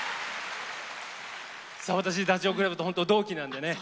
さあ私ダチョウ倶楽部と本当同期なんでね